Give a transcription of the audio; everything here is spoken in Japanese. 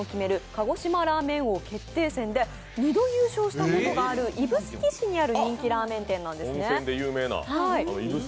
鹿児島ラーメン王決定戦で２度優勝したことがある指宿市にあるラーメン店なんですね。